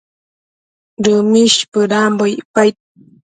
Dëmish bëdambo icpaid